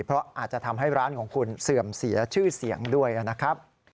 เพราะอาจจะทำให้ร้านของคุณเสื่อมเสียชื่อเสียงด้วยนะครับ